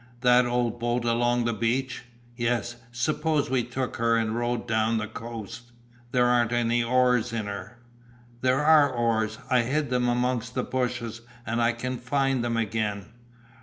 "That old boat along the beach?" "Yes, suppose we took her and rowed down the coast." "There aren't no oars in her." "There are oars. I hid them amongst the bushes and I can find them again."